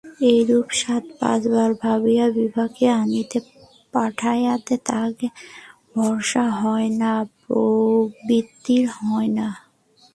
এইরূপ সাত-পাঁচ ভাবিয়া বিভাকে আনিতে পাঠাইতে তাঁহার ভরসা হয় না, প্রবৃত্তি হয় না।